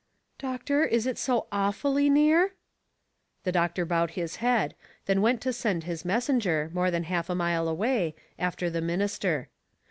*' Doctor, is it so awfully near ?" The doctor bowed his head, then went to send his messenger, more than half a mile away, after the minister.